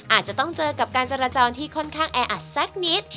อาจจะต้องเจอกับการจราจรที่ค่อนข้างแออัดสักนิด